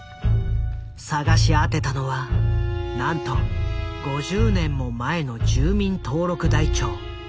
探し当てたのはなんと５０年も前の住民登録台帳。